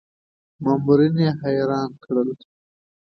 مامورین حیران کړل.